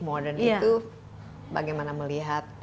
modern itu bagaimana melihat